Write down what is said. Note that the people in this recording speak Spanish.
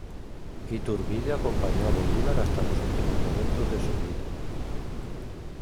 Iturbide acompañó a Bolívar hasta los últimos momentos de su vida.